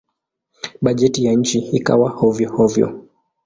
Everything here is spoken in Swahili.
Bajeti ya nchi ikawa hovyo-hovyo.